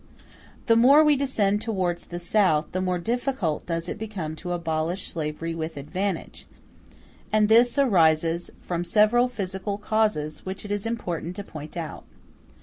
The more we descend towards the South, the more difficult does it become to abolish slavery with advantage: and this arises from several physical causes which it is important to point out.